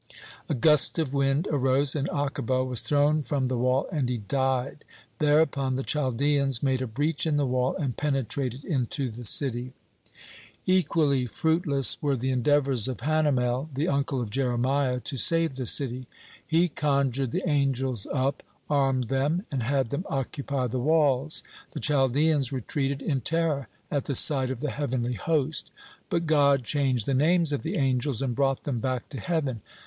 A gust of wind arose, and Akiba was thrown from the wall, and he died. Thereupon the Chaldeans made a breach in the wall, and penetrated into the city. (26) Equally fruitless were the endeavors of Hanamel, the uncle of Jeremiah, to save the city. He conjured the angels up, armed them, and had them occupy the walls. The Chaldeans retreated in terror at the sight of the heavenly host. But God changed the names of the angels, and brought them back to heaven.